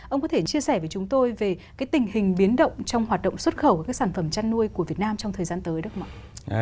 ông có thể chia sẻ với chúng tôi về cái tình hình biến động trong hoạt động xuất khẩu các sản phẩm chăn nuôi của việt nam trong thời gian tới được không ạ